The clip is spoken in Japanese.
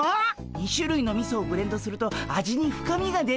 ２しゅるいのみそをブレンドすると味に深みが出るんです。